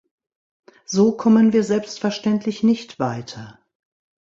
So kommen wir selbstverständlich nicht weiter.